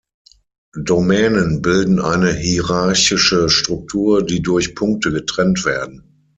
Domänen bilden eine hierarchische Struktur, die durch Punkte getrennt werden.